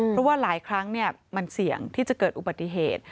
เพราะว่าหลายครั้งมันเสี่ยงที่จะเกิดอุบัติเหตุ